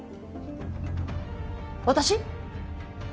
私？